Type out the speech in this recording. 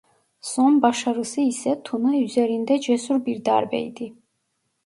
Son başarısı ise Tuna üzerinde cesur bir darbeydi.